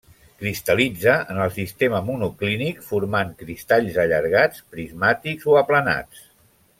Cristal·litza en el sistema monoclínic, formant cristalls allargats prismàtics o aplanats.